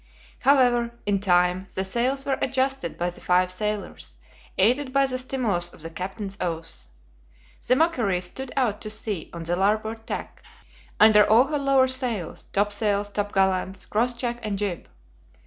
However, in time, the sails were adjusted by the five sailors, aided by the stimulus of the captain's oaths. The MACQUARIE stood out to sea on the larboard tack, under all her lower sails, topsails, topgallants, cross jack, and jib.